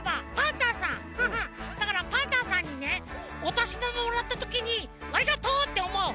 だからパンタンさんにねおとしだまもらったときに「ありがとう！」っておもう。